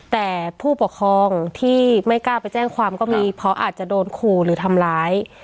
แต่ผู้ปกครองที่ไม่กล้าไปแจ้งความก็มีเพราะอาจจะโดนขู่หรือทำร้าย